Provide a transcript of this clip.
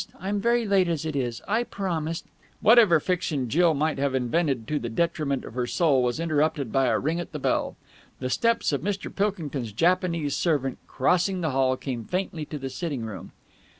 I'm very late as it is. I promised...." Whatever fiction Jill might have invented to the detriment of her soul was interrupted by a ring at the bell. The steps of Mr. Pilkington's Japanese servant crossing the hall came faintly to the sitting room.